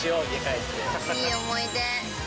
いい思い出。